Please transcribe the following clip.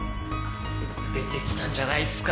出てきたんじゃないっすか？